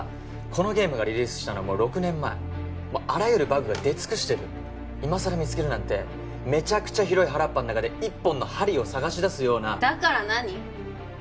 このゲームがリリースしたのはもう６年前もうあらゆるバグが出尽くしてる今さら見つけるなんてメチャクチャ広い原っぱん中で一本の針を探し出すようなだから何？